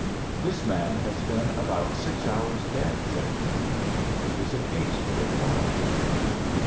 "This man has been about six hours dead," said he. "It is a case for the coroner."